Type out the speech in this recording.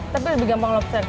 tapi lebih gampang lobster